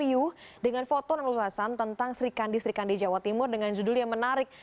yuh dengan foto namanya rasan tentang serikandi serikandi jawa timur dengan judul yang menarik